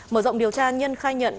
mở rộng điều tra nhân khai nhận